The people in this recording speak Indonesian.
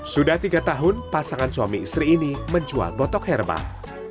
sudah tiga tahun pasangan suami istri ini menjual botok herbal